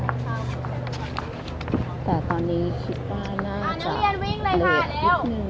ค่ะแต่ตอนนี้คิดว่าน่าจะเหลืออีกนึง